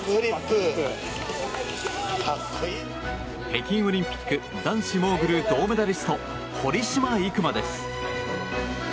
北京オリンピック男子モーグル銅メダリスト堀島行真です。